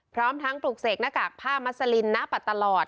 พร้อมทั้งปลุกเสกหน้ากากผ้ามัสลินนะปัดตลอด